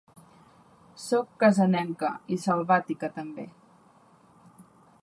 «Sóc cassanenca, i selvàtica també».